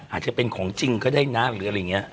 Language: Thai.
อาจจะเป็นของจริงก็ได้นะหรืออะไรอย่างนี้